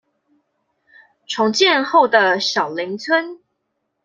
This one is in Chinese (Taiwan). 重建後的小林村